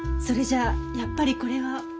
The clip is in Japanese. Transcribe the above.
それじゃあやっぱりこれは。